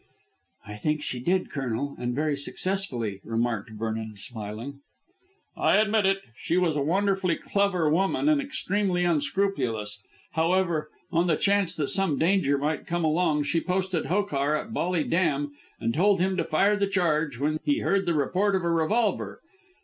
"I think she did, Colonel, and very successfully," remarked Vernon smiling. "I admit it. She was a wonderfully clever woman and extremely unscrupulous. However, on the chance that some danger might come along she posted Hokar at Bolly Dam and told him to fire the charge when he heard the report of a revolver."